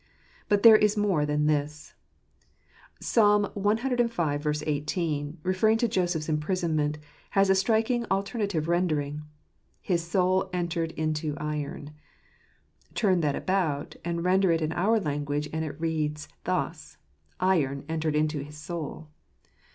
But there is more than this. Psalm cv. 18, referring to Joseph's imprisonment, has a striking alternative rendering, " His soul entered into iron." Turn that about, and render it in our language, and it reads thus, Iron entered into his soul.